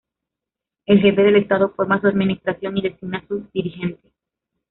El jefe del estado forma su Administración y designa su dirigente.